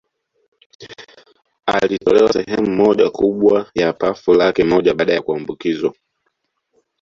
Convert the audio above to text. Alitolewa sehemu kubwa ya pafu lake moja baada ya kuambukizwa